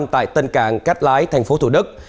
tại tân cảng cát lái tp thủ đức